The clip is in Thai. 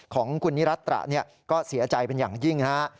ของคุณนิรัตระเนี่ยก็เสียใจเป็นอย่างยิ่งนะฮะ